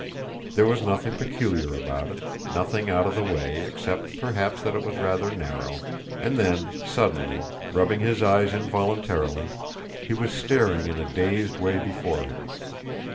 There was nothing peculiar about it; nothing out of the way, except perhaps that it was rather narrow. And then suddenly, rubbing his eyes involuntarily, he was staring in a dazed way before him.